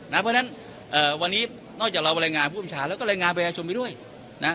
เพราะฉะนั้นเอ่อวันนี้นอกจากเราแรงงานผู้ประชาแล้วก็แรงงานแบรนด์ชนไปด้วยนะ